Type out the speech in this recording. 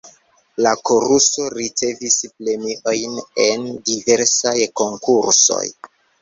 La koruso ricevis premiojn en diversaj konkursoj.